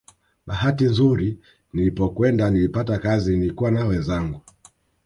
Bahati nzuri nilipokwenda nilipata kazi nilikuwa na wenzangu